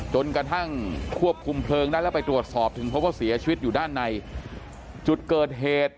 จนกระทั่งควบคุมเพลิงได้แล้วไปตรวจสอบถึงพบว่าเสียชีวิตอยู่ด้านในจุดเกิดเหตุ